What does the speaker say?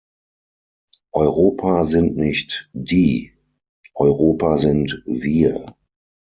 Europa sind nicht "die", Europa sind "wir".